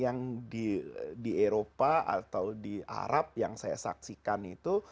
yang di eropa atau di arab yang saya saksikan itu